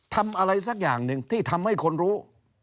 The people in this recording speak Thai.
ทำอะไรสักอย่างหนึ่งที่ทำให้คนรู้